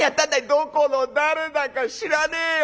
「どこの誰だか知らねえよ！」。